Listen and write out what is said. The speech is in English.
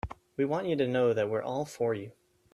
We want you to know that we're all for you.